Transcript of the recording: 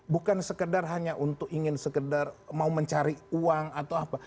bukan sekedar hanya untuk ingin sekedar mau mencari uang atau apa